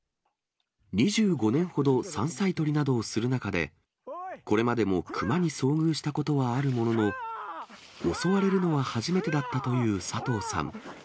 ２５年ほど山菜取りなどをする中で、これまでも熊に遭遇したことはあるものの、襲われるのは初めてだったという佐藤さん。